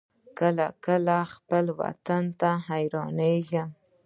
کله کله خپل وطن ته حيرانېږم.